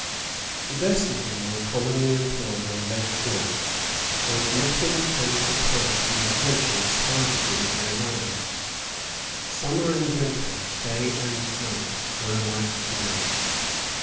The best of them were commonly employed on Lake George; and nothing can surpass the adventurous hardihood of their lives. Summer and winter, day and night, were alike to them.